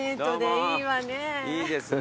いいですね。